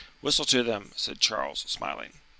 "Whistle to them," said Charles, smiling.